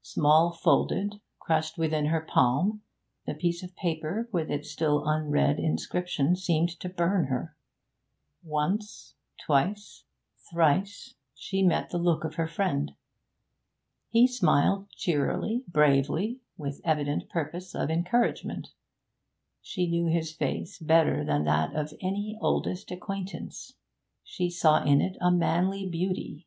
Small folded, crushed within her palm, the piece of paper with its still unread inscription seemed to burn her. Once, twice, thrice she met the look of her friend. He smiled cheerily, bravely, with evident purpose of encouragement. She knew his face better than that of any oldest acquaintance; she saw in it a manly beauty.